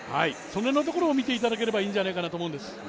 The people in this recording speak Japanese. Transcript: その辺のところを見ていただければいいんじゃないかなと思います。